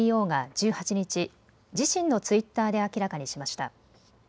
ＣＥＯが１８日、自身のツイッターで明らかにしました。